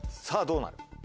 さぁどうなる？